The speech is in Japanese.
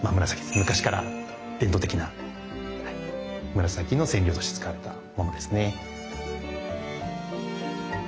昔から伝統的な紫の染料として使われたものですね。